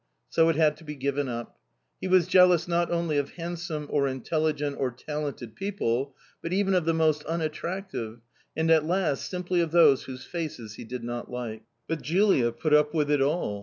So it had to be given up. He was jealous not only of handsome or intelligent or talented people, but even of the most unattractive, and at last simply of those whose faces he did not like. But Julia put up with it all.